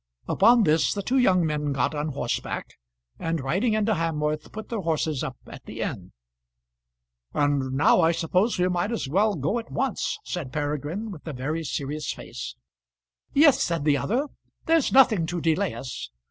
Upon this the two young men got on horseback, and riding into Hamworth, put their horses up at the inn. "And now I suppose we might as well go at once," said Peregrine, with a very serious face. "Yes," said the other; "there's nothing to delay us.